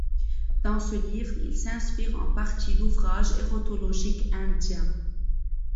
Dans ce livre, il s'inspire en partie d'ouvrages érotologiques indiens.